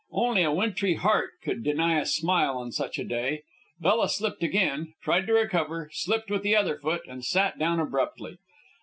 Only a wintry heart could deny a smile on such a day. Bella slipped again, tried to recover, slipped with the other foot, and sat down abruptly.